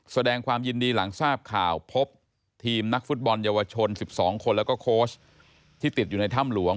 แสดงความยินดีหลังทราบข่าวพบทีมนักฟุตบอลเยาวชน๑๒คนแล้วก็โค้ชที่ติดอยู่ในถ้ำหลวง